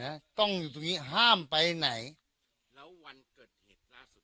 ต้องอยู่ตรงนี้ห้ามไปไหนแล้ววันเกิดเหตุล่าสุด